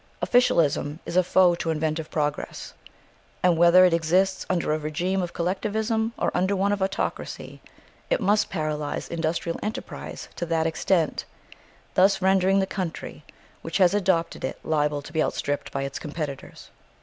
Officialism is a foe to inventive progress; and whether it exists under a regime of collectivism or under one of autocracy, it must paralyse industrial enterprise to that extent, thus rendering the country which has adopted it liable to be outstripped by its competitors.